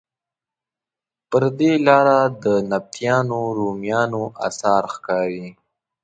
پر دې لاره د نبطیانو، رومیانو اثار ښکاري.